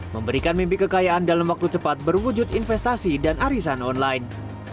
memberikan mimpi kekayaan dalam waktu cepat berwujud investasi dan arisan online